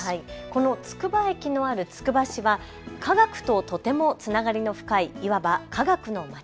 つくば駅のあるつくば市は科学ととてもつながりの深いいわば科学の街。